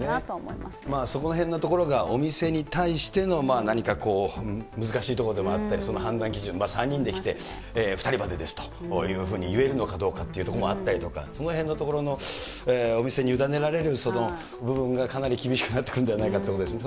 まそこらへんのところが、お店に対しての何かこう、難しいところでもあったり、その判断基準、３人で来て、２人までですというふうに言えるのかどうかっていうところもあったりとか、その辺のところのお店に委ねられる部分がかなり厳しくなってくるんではないかということですよね。